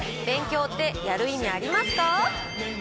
勉強ってやる意味ありますか？